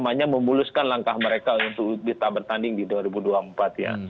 kemudian bisa memuluskan langkah mereka untuk bertanding di dua ribu dua puluh empat ya